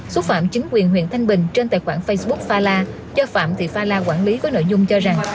xúc phạm chính quyền huyện thanh bình trên tài khoản facebook fala do phạm thị pha la quản lý có nội dung cho rằng